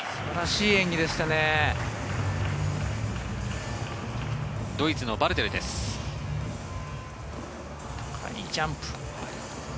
いいジャンプ。